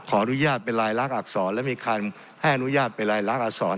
คอนุญาตไปรายลักษณ์อักษรและมีใครให้อนุญาตไปรายลักษร